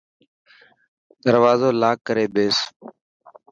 دروازو لاڪ ڪري ٻيس.